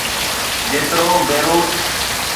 جيترو بيروت.